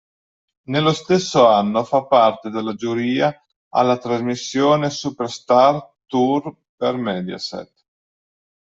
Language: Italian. Nello stesso anno fa parte della giuria alla trasmissione Superstar Tour per Mediaset.